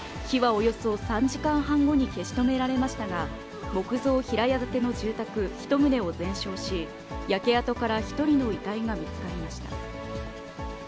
火はおよそ３時間半後に消し止められましたが、木造平屋建ての住宅１棟を全焼し、焼け跡から１人の遺体が見つかりました。